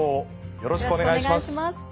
よろしくお願いします。